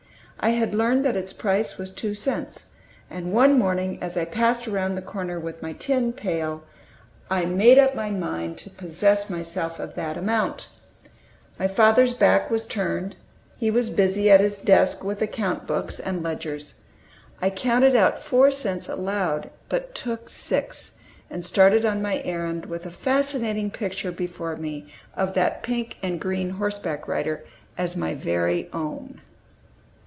I had learned that its price was two cents; and one morning as I passed around the counter with my tin pail I made up my mind to possess myself of that amount. My father's back was turned; he was busy at his desk with account books and ledgers. I counted out four cents aloud, but took six, and started on my errand with a fascinating picture before me of that pink and green horseback rider as my very own.